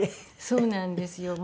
そうなんですよ。